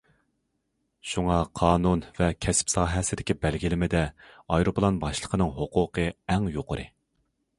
شۇڭا قانۇن ۋە كەسىپ ساھەسىدىكى بەلگىلىمىدە ئايروپىلان باشلىقىنىڭ ھوقۇقى ئەڭ يۇقىرى.